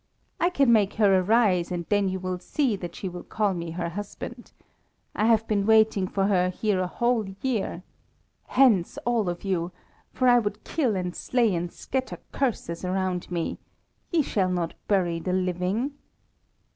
"I can make her arise, and then you will see that she will call me her husband. I have been waiting for her here a whole year. Hence, all of you! for I would kill and slay and scatter curses around me! Ye shall not bury the living!"